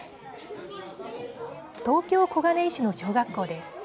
東京、小金井市の小学校です。